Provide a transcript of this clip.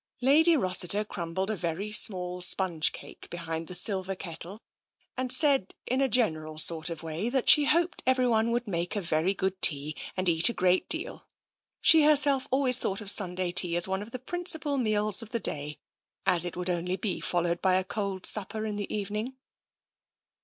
Lady Rossiter crumbled a very small sponge cake be hind the silver kettle, and said in a general sort of way that she hoped everyone would make a very good tea and eat a great deal. She herself always thought of Sunday tea as one of the principal meals of the day, as it would only be followed by cold supper in the evening.